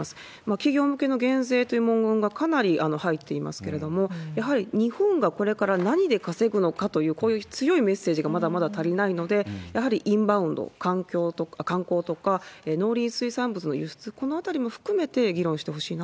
企業向けの減税という文言がかなり入っていますけれども、やはり日本がこれから何で稼ぐのかという、こういう強いメッセージがまだまだ足りないので、やはりインバウンド、観光とか農林水産物の輸出、このあたりも含めて議論し